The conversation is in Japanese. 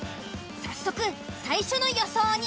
早速最初の予想に。